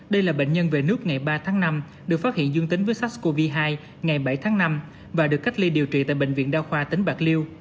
đây là bệnh nhân về nước ngày ba tháng năm được phát hiện dương tính với sars cov hai ngày bảy tháng năm và được cách ly điều trị tại bệnh viện đa khoa tỉnh bạc liêu